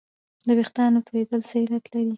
د وېښتانو تویدل څه علت لري